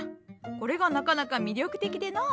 これがなかなか魅力的でのう。